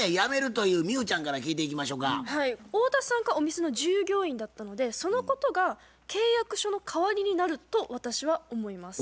太田さんがお店の従業員だったのでそのことが契約書の代わりになると私は思います。